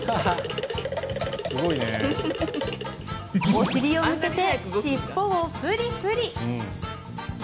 お尻を向けて尻尾をフリフリ。